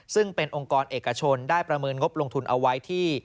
ซึ่งเป็นองค์กรเอกชนได้ประเมินงบลงทุนเอาไว้ที่